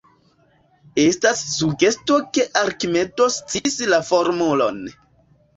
Estas sugesto ke Arkimedo sciis la formulon.